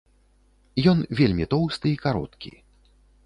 Ён вельмі тоўсты і кароткі.